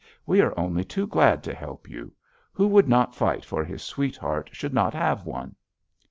'We are only too glad to help you. Who would not fight for his sweetheart should not have one!'